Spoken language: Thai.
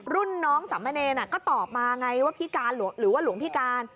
รุ่นน้องสามเณรก็ตอบมาไงว่าพิการหรือว่าหลวงพี่การ